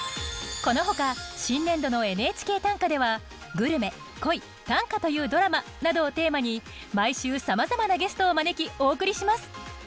このほか新年度の「ＮＨＫ短歌」では「グルメ」「恋」「短歌というドラマ」などをテーマに毎週さまざまなゲストを招きお送りします。